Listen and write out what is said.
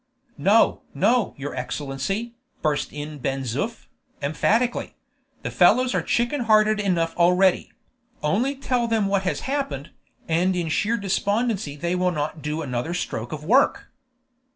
"No, no, your Excellency," burst in Ben Zoof, emphatically; "the fellows are chicken hearted enough already; only tell them what has happened, and in sheer despondency they will not do another stroke of work."